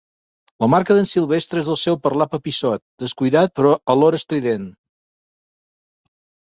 La marca d'en Silvestre és el seu parlar papissot, descuidat però alhora estrident.